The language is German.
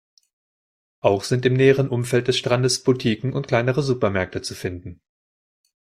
Auch sind im näheren Umfeld des Strandes Boutiquen und kleinere Supermärkte zu finden.